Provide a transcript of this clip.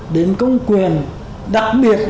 đến công quyền đặc biệt